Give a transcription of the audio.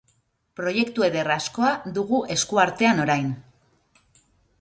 Proiektu eder askoa dugu esku artean orain.